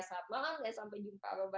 saat malam ya sampai jumpa bye bye